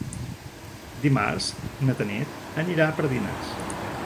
Dimarts na Tanit anirà a Pardines.